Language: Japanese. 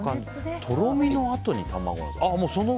とろみのあとに卵なんだ。